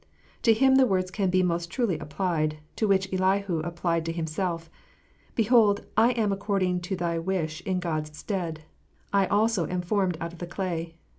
To Him the words can most truly be applied, which Elihu applied to him self, " Behold, I am according to thy wish in God s stead : I also am formed out of the clay.